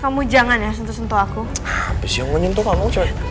kamu jangan ya sentuh sentuh aku habis yang menyentuh kamu